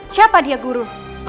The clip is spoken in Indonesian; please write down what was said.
siapa dia guru